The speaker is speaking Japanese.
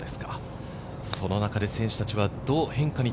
その中で選手たちはどう変化に